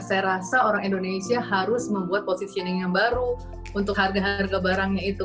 saya rasa orang indonesia harus membuat positioning yang baru untuk harga harga barangnya itu